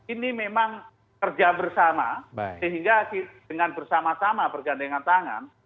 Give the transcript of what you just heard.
ini memang kerja bersama sehingga dengan bersama sama bergandengan tangan